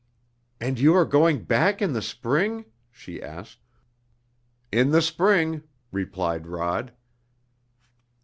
"And you are going back in the spring?" she asked. "In the spring," replied Rod.